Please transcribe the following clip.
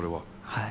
はい。